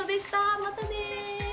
またね。